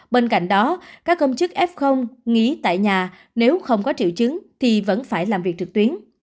bên cạnh đó các công chức f nghĩ tại nhà nếu không có triệu chứng thì vẫn phải làm việc trực tuyến